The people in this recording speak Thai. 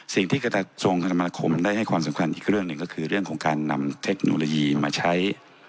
กระทรวงคมนาคมได้ให้ความสำคัญอีกเรื่องหนึ่งก็คือเรื่องของการนำเทคโนโลยีมาใช้